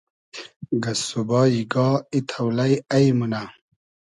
گئسسوبای گا ای تۆلݷ اݷ مونۂ